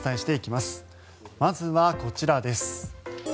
まずはこちらです。